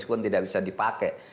yang tidak bisa dipakai